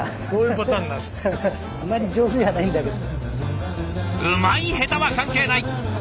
うまい下手は関係ない。